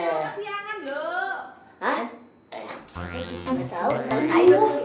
loh siang siangan dong